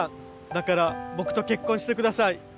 だから僕と結婚してください。